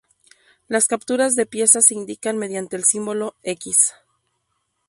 Las capturas de piezas se indican mediante el símbolo "x".